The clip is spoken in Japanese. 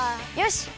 よし！